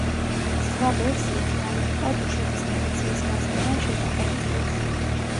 სხვა ვერსიით დაიღუპა დუშეთის მილიციის რაზმთან შეტაკების დროს.